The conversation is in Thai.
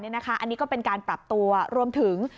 อันนี้ก็เป็นการปรับตัวรวมถึง